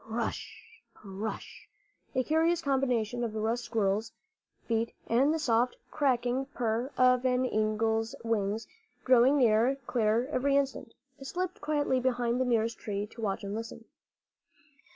Pr r r r ush, pr r r r ush! a curious combination of the rustling of squirrels' feet and the soft, crackling purr of an eagle's wings, growing nearer, clearer every instant. I slipped quietly behind the nearest tree to watch and listen.